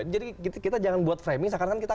jadi kita jangan buat framing sekarang kan kita